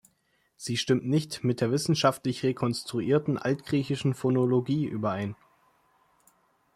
Sie stimmt nicht mit der wissenschaftlich rekonstruierten altgriechischen Phonologie überein.